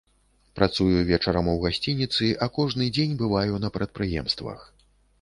Працую вечарам у гасцініцы, а кожны дзень бываю на прадпрыемствах.